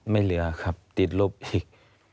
ไม่เหลือครับติดลบอีก